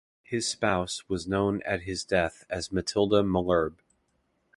His spouse was known at his death as Matilda Malherbe.